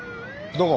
どこ？